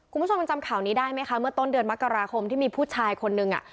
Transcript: คุณผู้ชมยังจำข่าวนี้ได้ไหมคะเมื่อต้นเดือนมกราคมที่มีผู้ชายคนนึงอ่ะ